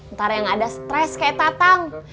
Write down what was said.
ntar yang ada stres kayak tatang